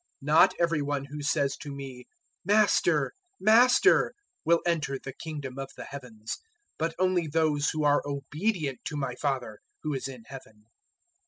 007:021 "Not every one who says to me, `Master, Master,' will enter the Kingdom of the Heavens, but only those who are obedient to my Father who is in Heaven.